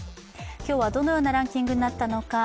今日はどのようなランキングになったのか。